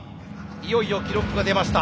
いよいよ記録が出ました。